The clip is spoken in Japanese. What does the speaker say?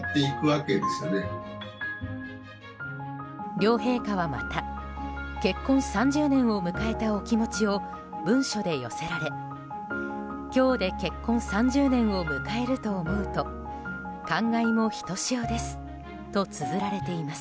両陛下はまた、結婚３０年を迎えたお気持ちを文書で寄せられ今日で結婚３０年を迎えると思うと感慨もひとしおですとつづられています。